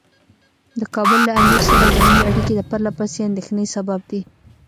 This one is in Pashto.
د کابل له امیر سره زموږ اړیکې د پرله پسې اندېښنې سبب دي.